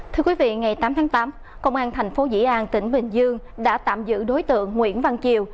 thưa quý vị ngày tám tháng tám công an thành phố dĩ an tỉnh bình dương đã tạm giữ đối tượng nguyễn văn chiều